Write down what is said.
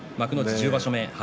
１０場所目。